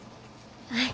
はい。